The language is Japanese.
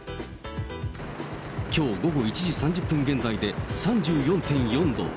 きょう午後１時３０分現在で３４．４度。